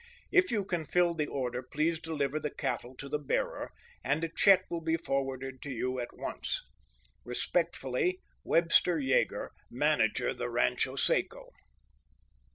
If you can fill the order please deliver the cattle to the bearer; and a check will be forwarded to you at once. Respectfully, Webster Yeager, Manager the Rancho Seco.